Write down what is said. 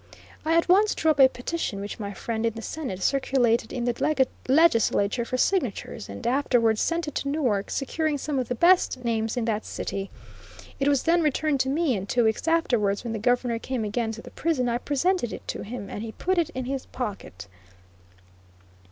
I at once drew up a petition which my friend in the Senate circulated in the legislature for signatures, and afterwards sent it to Newark, securing some of the best names in that city. It was then returned to me, and two weeks afterwards when the Governor came again to the prison I presented it to him, and he put it in his pocket.